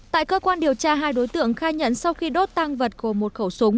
tại cơ quan điều tra hai đối tượng khai nhận sau khi đốt tăng vật của một khẩu súng